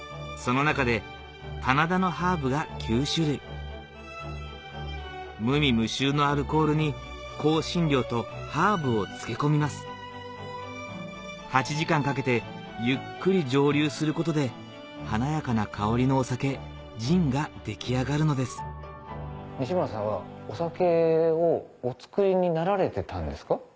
その中で棚田のハーブが９種類無味無臭のアルコールに香辛料とハーブを漬け込みます８時間かけてゆっくり蒸留することで華やかな香りのお酒ジンが出来上がるのです西村さんはお酒をお造りになられてたんですか？